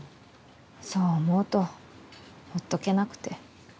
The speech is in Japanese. そう思うとほっとけなくて。